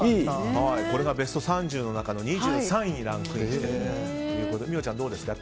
これがベスト３０の中の２３位にランクインしてるということで美桜ちゃん、どうですか？